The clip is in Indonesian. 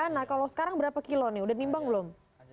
nah kalau sekarang berapa kilo nih udah nimbang belum